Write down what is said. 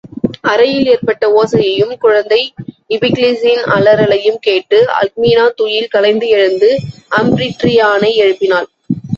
அறையில் ஏற்பட்ட ஓசையையும், குழந்தை இபிக்ளிஸின் அலறலையும் கேட்டு, அல்க்மினா, துயில் கலைந்து எழுந்து அம்பிட்ரியானை எழுப்பினாள்.